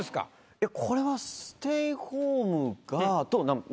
いやこれは「ステイホーム」が。